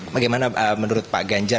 bagaimana menurut pak ganjar